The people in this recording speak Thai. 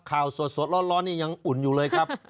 ข่าวสดร้อนนี่ยังอุ่นอยู่เลยครับ